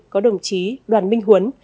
có đồng chí đoàn minh huấn